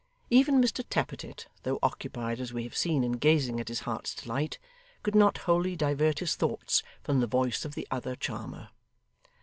Even Mr Tappertit, though occupied as we have seen in gazing at his heart's delight, could not wholly divert his thoughts from the voice of the other charmer.